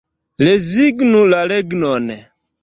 Rezignu la regnon.